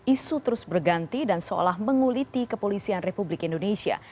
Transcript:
isu terus berganti dan seolah menguliti kepolisian republik indonesia